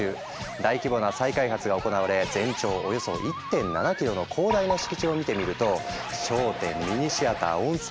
大規模な再開発が行われ全長およそ１．７キロの広大な敷地を見てみるとさまざま。